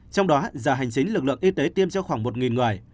trong đó giờ hành chính lực lượng y tế tiêm cho khoảng một người